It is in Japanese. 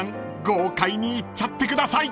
豪快にいっちゃってください］